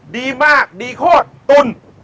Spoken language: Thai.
ดีมากดีโคตรตุ้น